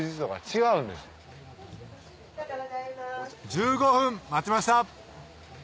１５分待ちました！